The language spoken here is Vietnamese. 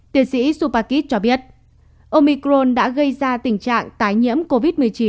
tiến sĩ supakis cho biết omicron đã gây ra tình trạng tái nhiễm covid một mươi chín